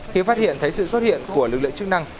khi phát hiện thấy sự xuất hiện của lưu lợi chức năng